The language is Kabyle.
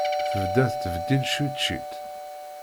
Tebda tettbeddil ciṭ ciṭ.